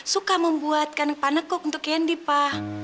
suka membuatkan panekuk untuk candy pa